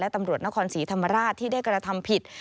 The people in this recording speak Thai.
ตำรวจนครศรีธรรมราชที่ได้กระทำผิด